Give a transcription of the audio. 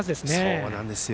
そうなんですよ。